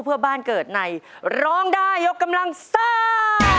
เพื่อบ้านเกิดในร้องได้ยกกำลังซ่า